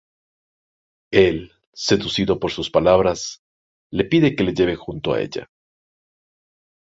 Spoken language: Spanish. Él, seducido por sus palabras, le pide que le lleve junto a ella.